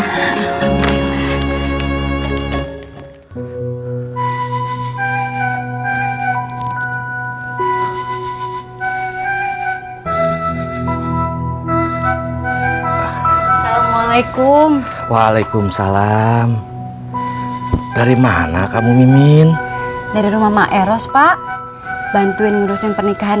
assalamualaikum waalaikumsalam dari mana kamu mimin dari rumah eros pak bantuin urusan pernikahan